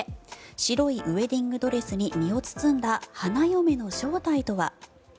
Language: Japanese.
白いウェディングドレスに身を包んだ花嫁の正体とは。